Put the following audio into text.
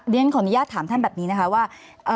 ขออนุญาตถามท่านแบบนี้นะคะว่า